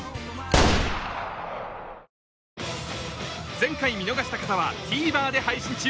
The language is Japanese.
前回見逃した方はＴＶｅｒで配信中